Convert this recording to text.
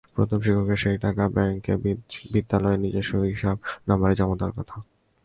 প্রধান শিক্ষকের সেই টাকা ব্যাংকে বিদ্যালয়ের নিজস্ব হিসাব নম্বরে জমা দেওয়ার কথা।